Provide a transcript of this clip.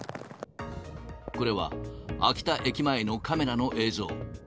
これは、秋田駅前のカメラの映像。